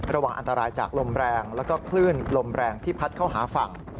ระวังอันตรายจากลมแรงแล้วก็คลื่นลมแรงที่พัดเข้าหาฝั่ง